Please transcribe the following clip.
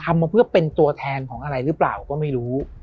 มาเพื่อเป็นตัวแทนของอะไรหรือเปล่าก็ไม่รู้